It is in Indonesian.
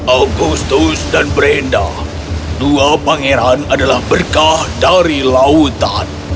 agustus dan brenda dua pangeran adalah berkah dari lautan